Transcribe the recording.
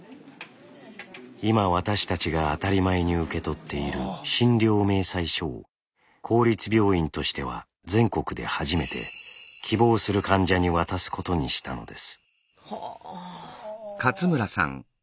今私たちが当たり前に受け取っている診療明細書を公立病院としては全国で初めて希望する患者に渡すことにしたのです。